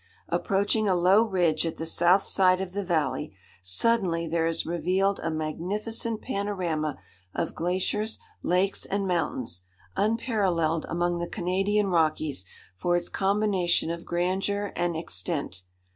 Approaching a low ridge at the south side of the valley, suddenly there is revealed a magnificent panorama of glaciers, lakes, and mountains, unparalleled among the Canadian Rockies for its combination of grandeur and extent.